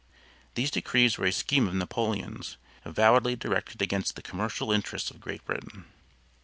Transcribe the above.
These decrees were a scheme of Napoleon's, avowedly directed against the commercial interests of Great Britain.